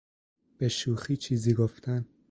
به شوخی چیزی گفتن